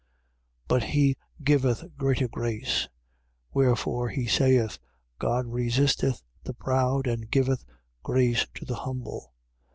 4:6. But he giveth greater grace. Wherefore he saith: God resisteth the proud and giveth grace to the humble.